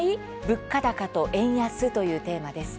物価高と円安」というテーマです。